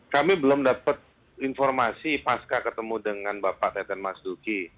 kami belum dapat informasi pasca ketemu dengan bapak teten mas duki